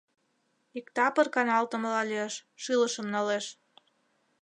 Иктапыр каналтымыла лиеш, шӱлышым налеш.